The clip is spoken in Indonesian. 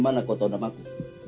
kota kota nama aku